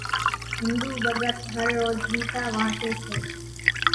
ۿينۮُو ڀڳت هروز ڳيتا وانسيَ سي۔